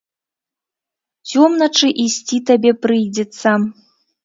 Цёмначы ісці табе прыйдзецца.